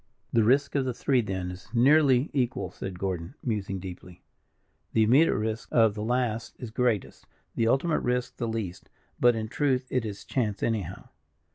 "The risk of the three, then, is nearly equal," said Gordon, musing deeply. "The immediate risk of the last is greatest; the ultimate risk the least; but, in truth, it is chance, anyhow."